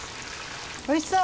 おいしそう！